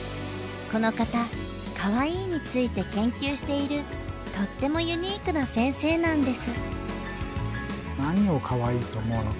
この方「かわいい」について研究しているとってもユニークな先生なんです。